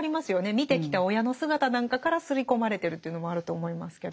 見てきた親の姿なんかから刷り込まれてるというのもあると思いますけど。